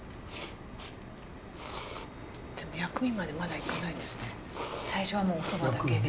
薬味までまだいかないんですね。